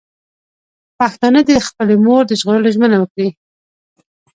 پښتانه دې د خپلې مور د ژغورلو ژمنه وکړي.